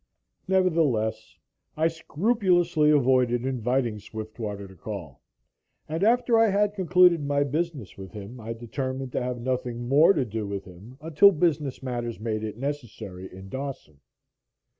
Nevertheless, I scrupulously avoided inviting Swiftwater to call, and after I had concluded my business with him, I determined to have nothing more to do with him until business matters made it necessary in Dawson.